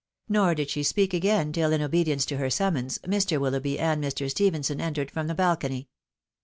Nor did she speak again, tm, in obedience to her summons, Mr. WiUoughby and Mr. Stephenson entered from the balcony.